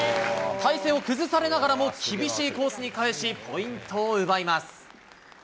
体勢を崩されながらも、厳しいコースに返し、ポイントを奪います。